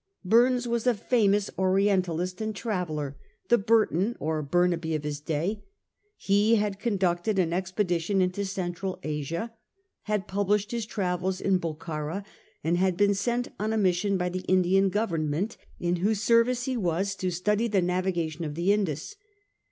Bumes was a famous orientalist and traveller, the Burton or Bur naby of his day ; he had conducted an expedition into Central Asia ; had published his travels in Bok hara, and had been sent on a mission by the Indian Government, in whose service he was to study the navigation of the Indus.